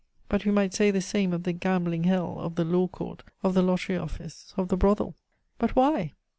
But we might say the same of the gambling hell, of the Law Court, of the lottery office, of the brothel. But why?